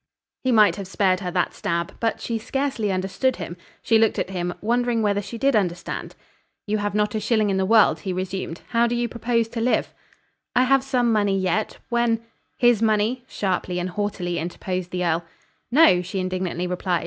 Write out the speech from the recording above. He might have spared her that stab. But she scarcely understood him. She looked at him, wondering whether she did understand. "You have not a shilling in the world," he resumed. "How do you propose to live?" "I have some money yet. When " "His money?" sharply and haughtily interposed the earl. "No," she indignantly replied.